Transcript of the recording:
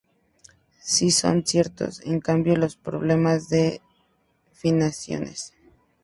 Sí son ciertos, en cambio, los problemas de financiación.